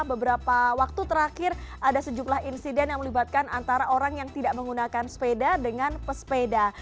beberapa waktu terakhir ada sejumlah insiden yang melibatkan antara orang yang tidak menggunakan sepeda dengan pesepeda